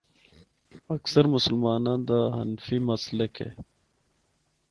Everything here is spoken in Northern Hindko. اکثر مسلماناں دا حنفی مسلک ہے۔